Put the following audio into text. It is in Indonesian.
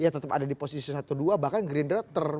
tetap ada di posisi satu dua bahkan gerindra ter